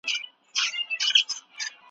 بالښتونه باید په منظم ډول وینځل شي.